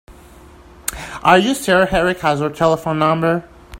Are you sure Erik has our telephone number?